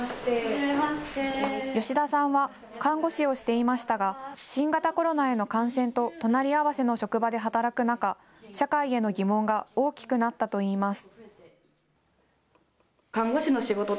吉田さんは、看護師をしていましたが、新型コロナへの感染と隣り合わせの職場で働く中、社会への疑問が大きくなったといいます。